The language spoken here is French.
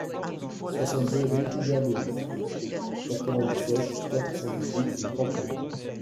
soixante-deux rue Hubert Delisle, quatre-vingt-dix-sept, quatre cent dix-huit, Le Tampon